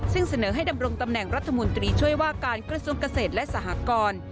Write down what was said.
ซึ่งเสนอให้ดำรงตำแหน่งรัฐมนตรีช่วยว่าการกระทรวงเกษตรและสหกร